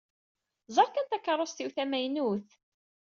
Ẓeṛ kan takeṛṛust-iw tamaynut.